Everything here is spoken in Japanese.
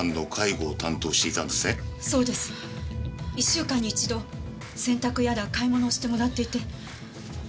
１週間に一度洗濯やら買い物をしてもらっていて。